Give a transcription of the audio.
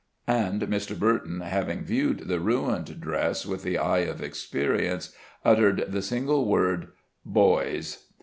And Mr. Burton, having viewed the ruined dress with the eye of experience, uttered the single word: "Boys!"